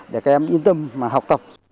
để các em yên tâm học